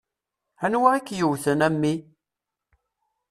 Anwa i k-yewwten, a mmi?